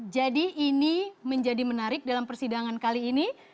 jadi ini menjadi menarik dalam persidangan kali ini